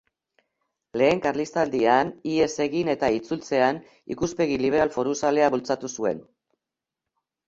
Lehen Karlistaldian ihes egin eta itzultzean ikuspegi liberal-foruzalea bultzatu zuen.